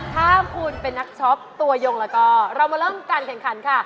ถ้าคุณเป็นนักช็อปตัวยงแล้วก็เรามาเริ่มการแข่งขันค่ะ